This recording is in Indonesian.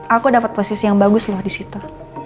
aku dapat posisi yang bagus loh di situ